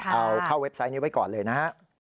เอาเข้าเว็บไซต์นี้ไว้ก่อนเลยนะฮะ